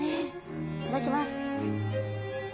いただきます。